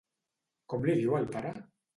Com li diu al pare?